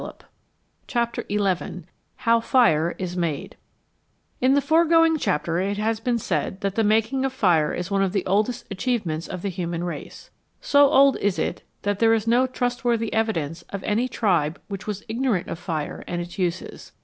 117 CHAPTER XI HOW FIRE IS MADE IN the forgoing chapter it has been said that the making of fire is one of the oldest achievements of the human race. So old is it that there is no trust worthy evidence of any tribe which was ignorant of fire and its uses.